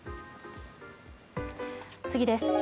次です。